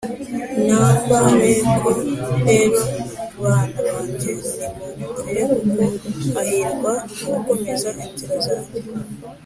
“numbersko rero bana banjye nimunyumvire, kuko hahirwa abakomeza inzira zanjye